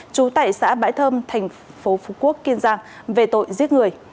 chú tải xã bãi thơm thành phố phú quốc kiên giang về tội giết người